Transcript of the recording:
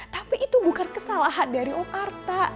tapi itu bukan kesalahan dari om arta